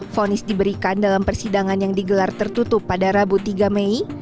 fonis diberikan dalam persidangan yang digelar tertutup pada rabu tiga mei